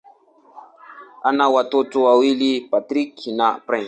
Ana watoto wawili: Patrick na Prince.